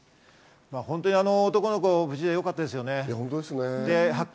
本当の男の子が無事でよかったですね。